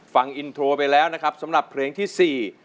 ฟังอินโทรไปแล้วนะครับสำหรับเพลงที่สี่